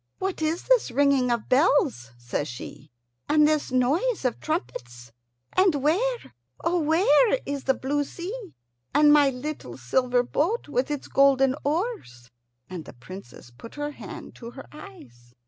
"What is this ringing of bells," says she, "and this noise of trumpets? And where, oh, where is the blue sea, and my little silver boat with its golden oars?" And the Princess put her hand to her eyes.